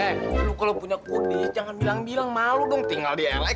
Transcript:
eh lu kalo punya qudish jangan bilang bilang malu dong tinggal di l e